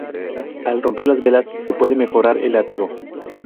Al romper las velas se puede mejorar el látigo.